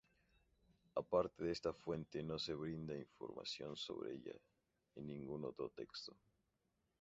Aparte de esta fuente, no se brinda información sobre ella en ningún otro texto.